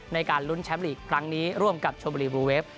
ในการลุ้นแชมป์ลีกครั้งนี้ร่วมกับชมบุรีบลูเวฟ